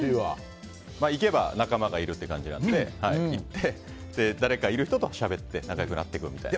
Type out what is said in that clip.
行けば仲間がいるって感じなので行って、誰かいる人としゃべって仲良くなっていくみたいな。